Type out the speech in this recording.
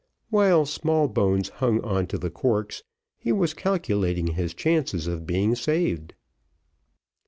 While Smallbones hung on to the corks, he was calculating his chances of being saved.